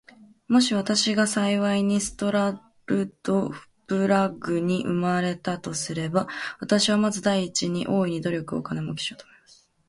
もし私が幸いにストラルドブラグに生れたとすれば、私はまず第一に、大いに努力して金もうけをしようと思います。